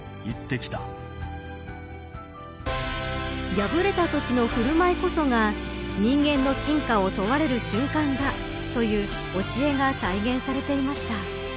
敗れたときの振る舞いこそが人間の真価を問われる瞬間だという教えが体現されていました。